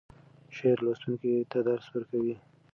شعر لوستونکی ته درس ورکوي.